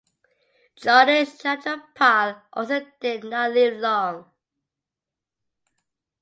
Jyotish Chandra Pal also did not live long.